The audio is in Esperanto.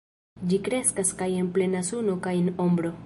Ĝi kreskas kaj en plena suno kaj en ombro.